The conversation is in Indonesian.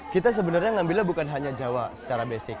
kita sebenarnya ngambilnya bukan hanya jawa secara basic